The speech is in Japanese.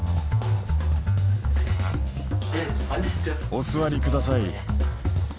お座りください。